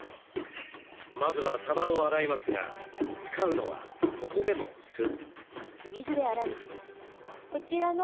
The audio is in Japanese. まずはさばを洗いますが使うのはここでも酢。